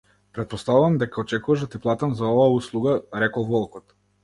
Претпоставувам дека очекуваш да ти платам за оваа услуга, рекол волкот.